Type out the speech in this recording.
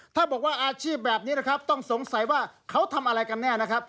ถ้าบอกว่าอาชีพแบบนี้นะครับต้องสงสัยว่าเขาทำอะไรกันแน่นะครับ